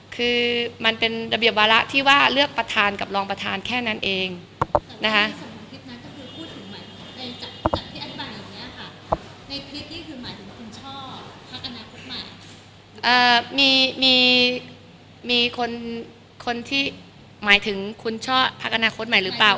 คือมันเป็นระเบียบวาระที่ว่าเลือกประธานกับรองประธานแค่นั้นเองนะคะ